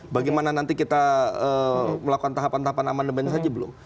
bagaimana nanti kita melakukan tahapan tahapan amandemen saja belum